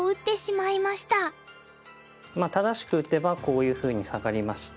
まあ正しく打てばこういうふうにサガりまして。